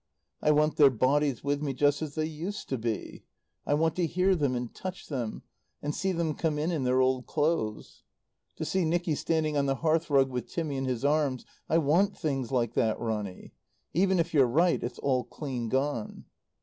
I want their bodies with me just as they used to be. I want to hear them and touch them, and see them come in in their old clothes. "To see Nicky standing on the hearthrug with Timmy in his arms. I want things like that, Ronny. Even if you're right, it's all clean gone."